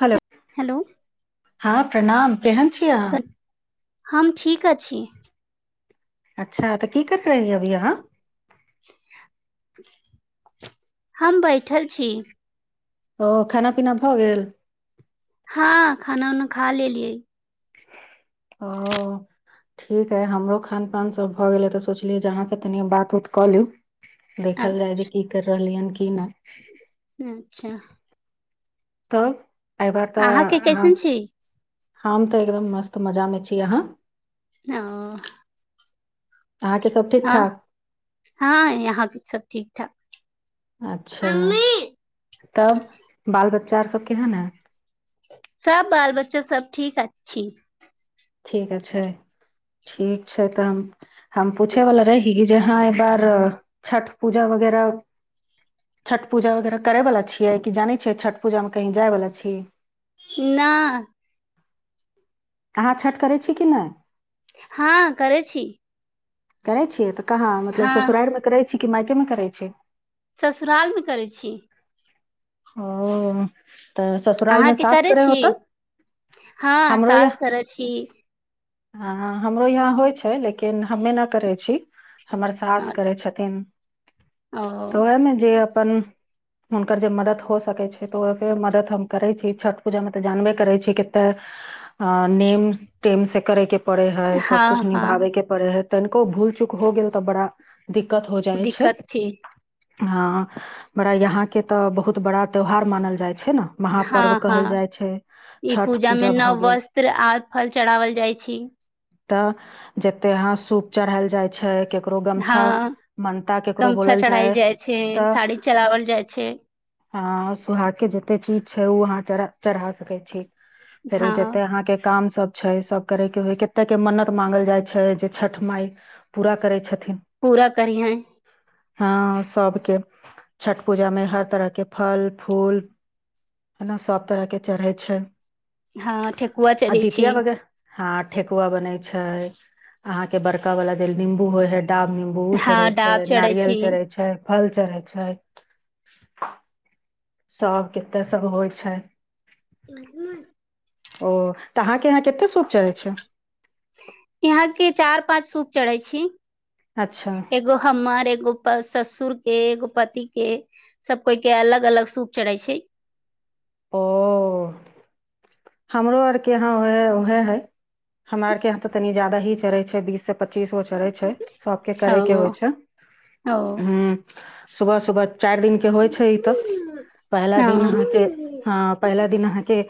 Hello hello हँ प्रणाम केहन छिय हम ठीक अ छी अच्छा तऽ की कर रहै अभी अहाँ हम बैठल छी ओ खाना पीना भऽ गेल हँ खाना उना खा लेले लियै ओ ठीक है हमरो खान पान सब भऽ गेलै तऽ सोचलियै जे जहाँ से तनि बात उत कऽ लि अ- देखल जाय जे की कर रहली ह ठ नहि अच्छा तऽ एहि अहाँके कैसन छी हमाम तऽ एकदम मस्त मजामे छी अहाँ ह अहाँके सब ठीक आ ठाक हँ यहाँ सब ठीक ठ अच्छा तब बाल बच्चा आर सबके है ने सब बाल बच्चा सब ठीक अ छै ठीक छै ठीक छै तऽ हम हम पूछेवलाा रही जे हँ एक बार छठ पूजा वगैरह छठ पूजा वगैरह करैवलाा छियै कि जानै छियै छठ पूजामे कहीं जायवला छी नहि अहाँ छठि करै छी कि नहि हँ करै छी करै छिय तऽ कहाँ मतलब हँ ससुरारि मे करै छी कमा कमे करै छै ससुरालमे करैत छी ओ तऽ ससुरालमे अहाँके सास करै छी होतऽ हँ हमरो य साास करै छी की हँ हमरो यहाँ होइ छै लेकिन हमे नहि करै छी हमर सास अ- करै छथिन ओ तऽ ओएहमे जे अपन हुनकर जेब मदद हो सकै छै तऽ ओ मदद हम करै छी छठ पूजामे तऽ जानबे करै छी कते अ नेम ेम से करेके पड़े है सब कुछ हँ हँ निभाबे के पड़े हय तनको भुल चुक होग गेलर तब बड़ दिक्कत हो जाइ छै दिक्कत छी अ बड़ा यहां के तऽ बहुत बड़ा त्योहार मानल जाय छै ने हँ महापर्व हँ कहल जाइ छै छठ पूजा भऽ गेल चितत्र आ फल चढ़ाावल जाइ छी तऽ जते यहााँ सूप चढ़ायल जाइ छै केकरो गमछा हँ ममता केकरो गमछा बोलल चढ़ायल जाय जाइ छै तऽ साड़ी चढ़ाओल जाइ छै सुहाग के जते चीज छै ओ अहाँ चढ़ त कहै छी हँ अहाँ के काम सब छै सब करे के होइ कते के मन्नत मांगल जाइ छै जे छठ मााय पूरा करै छथिन पूरा करियहै हँ सभके छठ पूजामे हर तरहके फल फूल हना सभ तरहके चढ़ै छै हँ ठेकुआ चढ़ै छी हा ठेकुआ बन छै अहाँ के बड़का वाला देल निं्बू होय है क्टाा निम्बू हँ चढ़ै छै डाब नारियल छी चढ़ै छै फल चढ़ै छै सब कते सब होइ छै नहि नहि ओ तऽ अहाँके यहाँ कतेक शप चढ़ै छै यहा के चार पाँच सूप चढ़ै छी अच्छा एगो हमर एगो प ससुर के एगो पति के सब कोइ के अलग अलग सूप चढ़ै छै ओ हमरो आर के यहााँ उहे है हमरा आर के यहाँ तऽ तनि जाददा ही चढ़ै छै बीस से पच्चीस गो चढ़ै छै सबके ओ करे के होइ छै ओ ह सुबह सुबह चारि दििन के होइ छै ई तऽ पहिला दिन हँ अहाँके हँ पहिला दिन अहाँके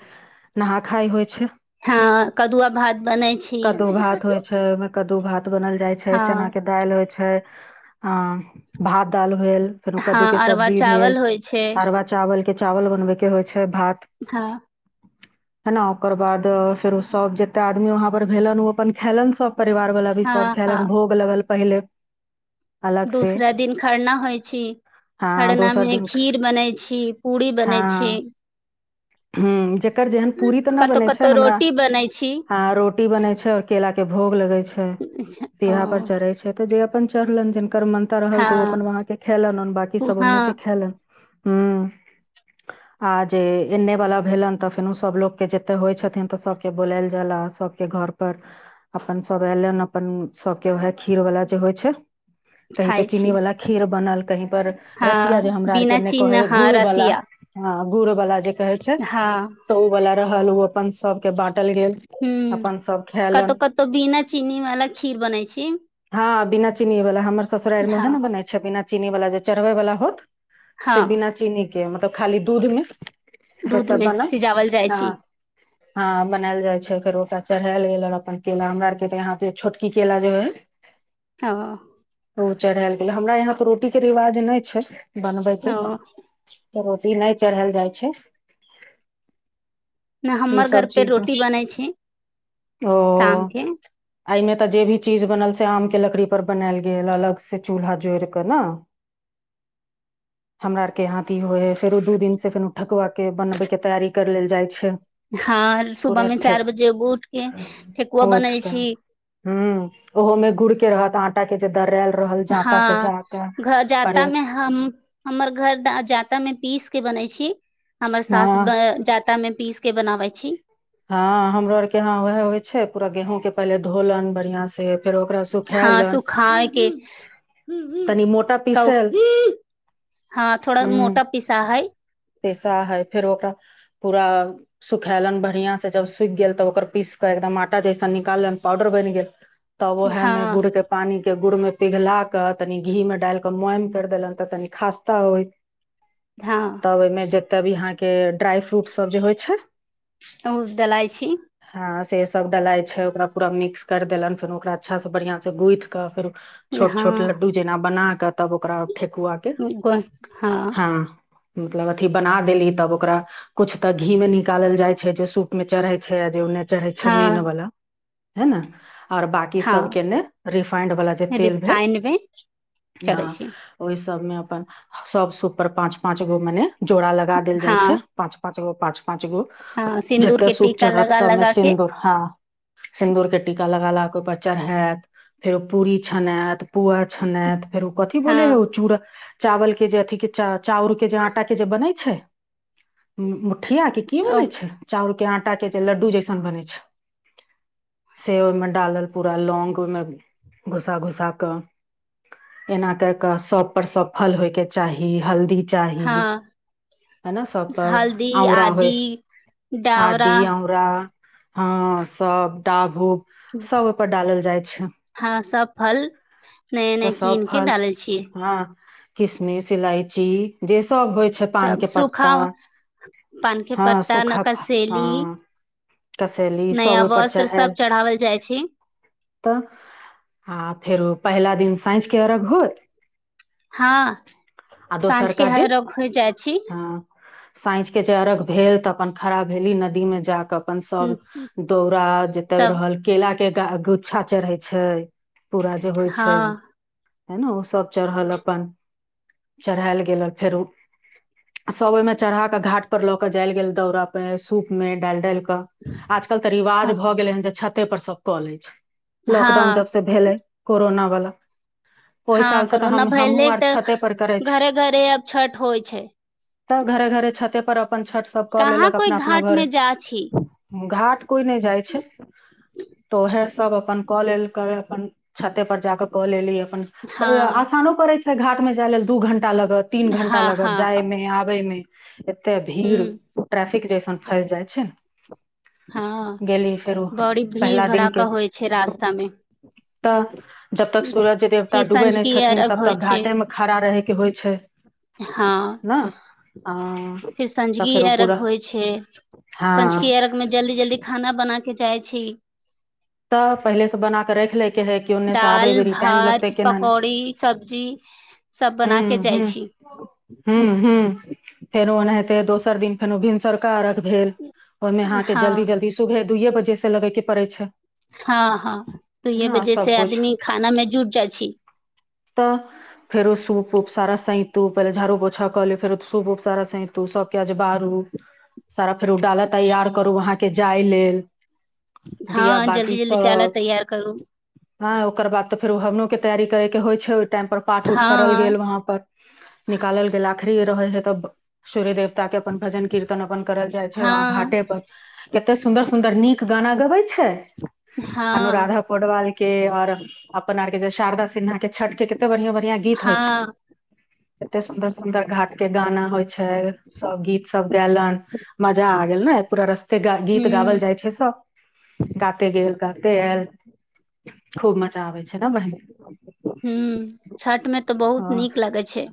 नहा खाय होइ छै हँ कदुआ भात बनै छी कदू भात बनल जाय छै हँ चना के दालि होइ छै अ भात दाल भेल फेरो कद्दू हँ के अरवा सब्जी भेल चावल होइ छै अरवा चावल के चावल बनबे के होइ छै ह हेना ओकर बाद फेरो सब जते आदमी वहाँ पर भेलन ओ अपन खेलन सभ परिवार वाला भी सब हँ खैलन हँ भोग लगल पहिले अलग से दूसरा दिन खरना होइ छी हँ दोसर खरनामे दिन खीर बनैत छी पूरी बनै छी हँ ह जकर जेहन पूरी तऽ नहि कतौ बनै छै कतौ हमरा रोटी बनै छी हँ रोटी बनै छै केला के भोग लगै छै ओ पीढ़ा पर चढ़ै छै त जे प अपन चर ले दिन कर्मन्ता रहल तऽ ओ अपन हँ वहाँके खेलनि बाकी सभ ओन्ने के हँ खेलनि हू आ जे एने वाला भेलन तऽ फेनोो सभलके जते होइ छथिन तऽ सभके बोलायल जाला सभके घर पर अपन सभ एलन अपन सबके वएह खीर वालला जे होइ छै ती पे खाइ चीनी छी वाला खीर बनल कही पर हँ रसिया जे हमरा आर के बिना ने चीनी कहे ह हँ गुड़ वालला रसिया ह गूरबला जे कहै छै हँ त ओ बला रहल ओ अपन सबके बट हूँ कतौ कतौ बिना चीनी वाला खीर बनै छी [unintelligible] हँ चीनी वला ज चरबै वला होत हँ से बिना चिन्हिके मतलब खाली दूध मे दूध मे बन सिजावल जाइ ह छी हँ बनायल जाइ छै फेर ओ चढ़ायल गेल आर अपन केला हमरा आरके तऽ यहाँ पे छोटकी केेला जो है ह ओ चढ़ायल गेलै हमरा यहाँ पर रोटी के रिवाज नहि छै बनबैके ओ चती नहि चढ़ल जाइ छै ने ई हमर घर सब पे चीज मे रोटी बनै छै ओ शाम के [unintelligible] से फेन उ ठकुआ के बनवे के तैयारी कर लेल जाय छै हँ प सुबह मे ठठ चार बजे उठ के ठेकुआ बनल ह छी ओहोमे गुड़ के रहत आ टा के जिद रै हँ घ परे जाता मे हम हमर घर जाता मे पीस के बनै छी की हमर सास हँ जाता में पीस के बनावै छै [unintelligible] हँ हमरो आरके यहाँ उएह होइ छै पूरा गेहूँ के पहिले धोलनि बढ़िआं से फेर ओकरा हँ सुखेलन सुखााय के तनी मोटा पीसल क हँ थोड़ा मोटा पीसा है पैसा है फेर ओकरा पूरा सुखैलन ब बढ़िआं से जब सुख गेल तब ओकर पीस क एकदम आटा जैसन निकालल पाउडर बनि गेल। तब व हमे हँ गुड़ के पानी। के गुड़ मे पिघला के तनि घी मे डाल क मम कर देलन त तनि खास्ता होइ। हँ तब ओहिमे जब भी यहाँके। के ड्राइ फ्रूट सब जे होइ छै ओ दलाई छी। से सब डलाइ छै ओकरा मिक्स कर देलन फेर ओकरा अच्छा से बढ़ियां से गुथ क फेर। छोट छोट लड्डू जेना बना तब ओकरा। ठेकुआ के ग हँ मतलब अथि बना देली तब ओकरा। कुछ त घी मे निकालल जाय। छे जे सूप में चढ़े छै आ ओन्ने चाहै छै मेन हँ बला है न आओर बांकी सब हँ के ने रिफाइंड वाला जे तेल भेल रिफाइन मे चढ़ै हँ छी ओ सबमे अपन सबस उपर पाच पाच गो मने जोड़ा लगा देल जाय हँ छै पांच पांच पठ [unintelligible] पाँच गो हँ सिन्दूर जते के सूप टीका चढ़ैत लगा सबमे लगा के सिन्दूर हँ सिन्दूर के टीका लगा लगा ओइ पर चढ़ायत फेर ओ पूरी छनायत पुआ छनैत फेर ओ कथी बोल हँ हइ ओ चूरा चावल के जे अथि के चा- चाउर के जे आंटा के जे बनै छै ह पठिया के की ओ बोलै छै लडड बने छै ओहि डालल प लौहि घुस घुस ए सब हो च ची हँ है न सब पर हल्दी औरा होइ आदि डावरा आदी हमरा हँ सब डभू हँ सब फल नया तऽ नया कीन के डालै छियै किसमे सिलइची जस सब होइ छै पान सब के सूखा पत्ता हँ सूखा जी कसेली सब ओहिप चढ़एल चढ़ावल जाइ छै तऽ आ फेर पहला दिन ब हँ आ साँझ के द अर्घ होइ जाइ छी ब खड़ा भेली नदी में जााकऽ अपन सब दौरा जत सब रहल केला के ग गुच्छा चढ़ै छै पूरा जे होइ छै हँ हे न ओ सब चढ़ल अपन चढ़ायल गेल फेरो सब ओहिमे चढ़ाके घाट पर ल के जायल गेल दौरा परे सूप में डालि डाल भ गेल त पर सब कॉले अछि लॉकडाउन जब हँ से भेलै कोरोना वलाा हँ कोोना भेलले तऽ छते पर करे घरे घरे अब छठ होइ छै तब घरे घरे छते पर अपन छठ सब कऽ कहाँ लेलक कोइ अपना अपना घरे घाटमे जा छी घाट कोइ नहि जाइ छै त है सब अपन कऽ लेल कर अपन छते पर जाके क एलि अपन हँ आसानो पड़े छै घाट मे जाय लेल दू घंटा लागत तीन घं्टा हँ लागत हँ जाय हँ मे आबे मे [unintelligible] भीर हूँ ट्रफ ठीक जइसन फँसि जाइ छै ने [unintelligible] हँ गेली फेरो बड़ी भीड़ पहिला दिन भड़ाका के होइ छै रास्तामे तऽ जब तक सूरज देवता डूबे नहि सँझुकी छथिन अर्घ तब होइ तक छै घाटे मे खड़ा रहे के होइ छै हँ ने फिर तब सँझुकी फेर ओ अर्घ पूरा हँ ओमे जल्दी जल्दी खाना बना के जाइ छी तऽ पहिले से बना कऽ राख ले जे है‌ ओने से आबै दाल बेरी टाइम लगतै भात केना पकौड़ी नहि सब्जी सब बना के जाइ हूँ छी हूँ फेरो ऐने ऐतै दोसर दिन फेनो भिनसर सरकारक भेल ओहिमे अहाँ के हँ जल्दी जल्दी सुबे दुइये बजे से लगे के पड़ै छै हँ हँ तऽ यह ने वजह से सबकुछ आदमी खाना में जुट जाइ छै तऽ फेरो सूप उप सारा सैंतू पहिले झाड़ू पोछा क लियै फेरो सूप उप सारा सैंतू सभके आज बारू सारा फेरो डालय तैयार करू अहाँके जाय लेल दिया हँ जल्दी जल्दी डाला तैयार करू ह ओकर बाद त फेरो हवनो के हवन होइ छै ओय टाइम पर पाठ उठ करल गेल हँ वहाँ पर निकालल गेल आखिरी रहै है तब सूर्य देवता के अपन भजन कीर्तन अपन करल जाइ छै वहाँ हँ घाटे पर कते सुन्दर सुदर नीक गाना गबै छै हँ अनुराधा पौडवाल के आऔर अपन आरके शारदा सिन्हा छठ के‌ बढ़िआं बढ़िआं गीत होइ छै हँ एते सुंदर सुंदर घाट के गाना होय छै सब गीत सब गायलन मजा आ गेल ने पूरा रस्ता फ गीत गाओल हुँ जाइ छै सब गाते गेल गाते आयल खूब मजा आबै छै ने बहिन हू छठमे तऽ तऽ बहुत हँ नीक लगे छै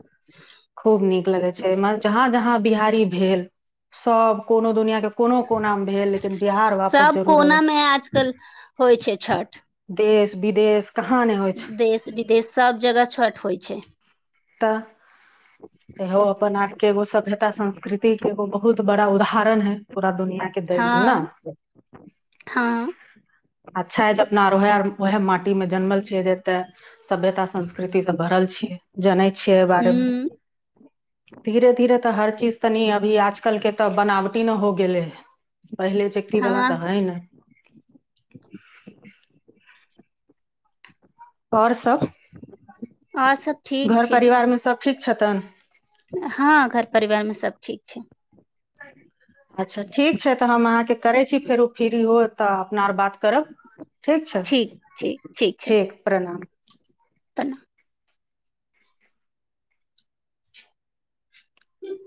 खूब नीक लगे छै जहाँ जहाँ बिहारी भेल सब कोनो दुनिया के को कोना भेल लेकिन बिहार वापस सब जरुर आबै कोना मे छै आजकल होइ छै छठ देश विदेश कहाँ नहि होइ छै देश विदेश सब जगह छठ होइ छै तऽ त अपन आके एगो सभ्यता संस्कृति के एगो बहुत बड़ा उदाहरण है पूरा दुनिया के दै लेल ने हँ हँ अच्छा अपना उएहर उएह माटीमे जनमल छियै जेते सभ्यता संस्कृति सब भरल छै जनै छियै एहि बारेमे हूँ धीरे धीरे तऽ हर चीज तनि अभी आजकल के तऽ बनावटी ने हो गेलै ह पहिले चक्ी वला तऽ हँ है ने आओर सभ आओर सभ ठीक छै सभ ठीक छथतन हँ घर परिवारमे सब ठीक छै अच्छा ठीक छै तऽ हम अहाँके करै छी फेरो फ्री हो तऽ अपना आर बात करब ठीक छै ठीक प्रणाम प्रणाम हूँ